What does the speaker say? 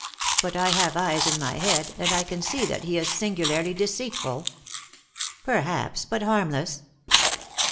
But I have eyes in my head, and I can see that he is singularly deceitful." "Perhaps, but harmless."